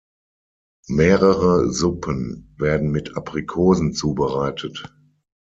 Mehrere Suppen werden mit Aprikosen zubereitet.